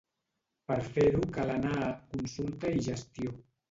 Per fer-ho cal anar a "consulta i gestió".